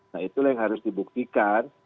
nah itulah yang harus dibuktikan